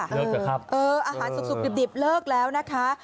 อาหารสุกดิบเลิกแล้วนะคะ